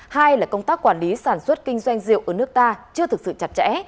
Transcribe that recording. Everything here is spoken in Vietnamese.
hai là công tác quản lý sản xuất kinh doanh rượu ở nước ta chưa thực sự chặt chẽ